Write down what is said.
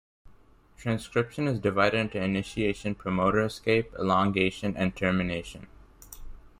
Transcription is divided into "initiation", "promoter escape", "elongation," and "termination".